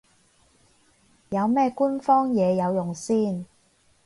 有咩官方嘢有用先